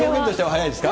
早いですか？